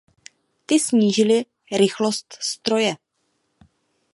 Ty snížily rychlost stroje.